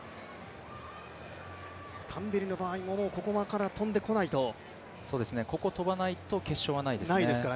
タンベリの場合はもうここ跳んでこないとここ跳ばないと決勝はないですね。